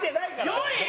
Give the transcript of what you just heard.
４位？